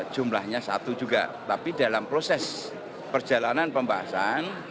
jumlahnya satu juga tapi dalam proses perjalanan pembahasan